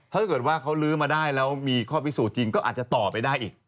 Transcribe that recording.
ถ้าเกิดว่าเขาลื้อมาได้แล้วมีข้อพิสูจน์จริงก็อาจจะต่อไปได้อีก